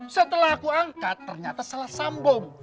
setelah aku angkat ternyata salah sambung